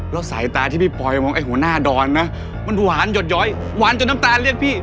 แล้วสายตาที่พี่ปอยมองไอ้หัวหน้าดอนนะมันหวานหยดย้อยหวานจนน้ำตาเรียกพี่